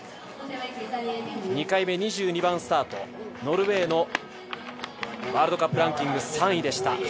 ２回目２２番スタート、ノルウェーのワールドカップランキング３位でした。